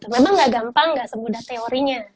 memang gak gampang nggak semudah teorinya